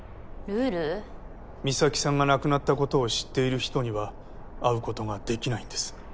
美咲さんが亡くなったことを知っている人には会うことができないんです。